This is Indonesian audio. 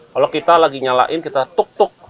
kalau kita lagi nyalain kita tuk tuk